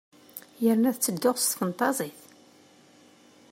Yerna ad ttedduɣ s tfenṭazit.